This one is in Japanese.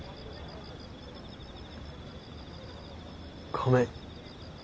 ごめん。